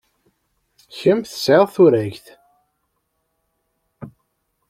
Kemm tesɛid turagt.